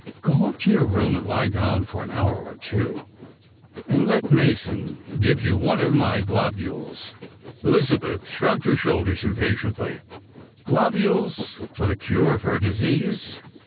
Go up to your room and lie down for an hour or two, and let Mason give you one of my globules." Elizabeth shrugged her shoulders impatiently; globules for the cure of her disease